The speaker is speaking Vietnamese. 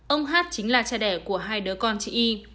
ông hát chính là cha đẻ của hai đứa con chị y